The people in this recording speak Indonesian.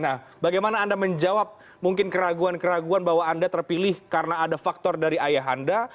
nah bagaimana anda menjawab mungkin keraguan keraguan bahwa anda terpilih karena ada faktor dari ayah anda